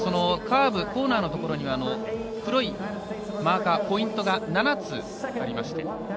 カーブ、コーナーの所には黒いマーカーポイントが７つあります。